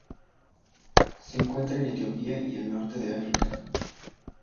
Se encuentra en Etiopía y el norte de África.